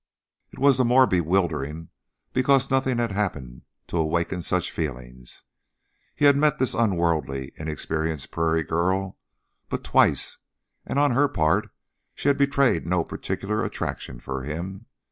It was the more bewildering because nothing had happened to awaken such feelings. He had met this unworldly, inexperienced prairie girl but twice, and on her part she had betrayed no particular attraction for him.